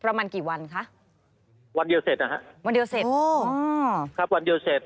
ประมาณกี่วันคะวันเดียวเสร็จนะฮะวันเดียวเสร็จโอ้ครับวันเดียวเสร็จ